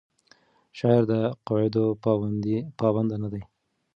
شاعر د قواعدو پابند نه دی.